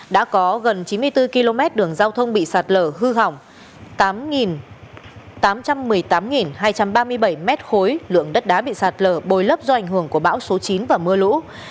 đã có gần chín mươi bốn km đường giao thông bị sạt lở hư hỏng tám trăm một mươi tám hai trăm ba mươi bảy mét khối lượng đất đá bị sạt lở bồi lấp do ảnh hưởng của bão số chín và mưa lũ